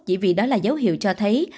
chỉ vì đó là dấu hiệu cho thấy